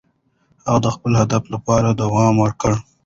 هغه د خپل هدف لپاره دوام ورکوي.